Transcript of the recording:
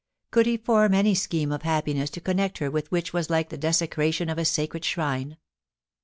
Could he form any scheme of happiness to connect her with which was like the desecration of a sacred shrine